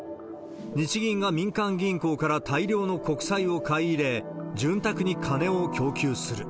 日銀が民間銀行から大量の国債を買い入れ、潤沢に金を供給する。